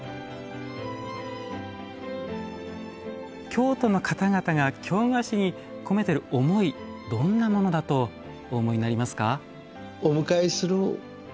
京都の方々が京菓子に込めてる思いどんなものだとお思いになりますか？